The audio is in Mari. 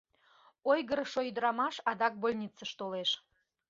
Ойгырышо ӱдырамаш адак больницыш толеш.